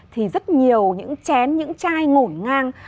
thì rất nhiều những chén những chai ngổn ngang